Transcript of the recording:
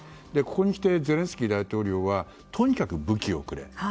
ここにきてゼレンスキー大統領はとにかく武器をくれ。